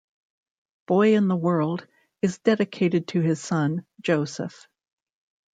"Boy in the World" is dedicated to his son, Joseph.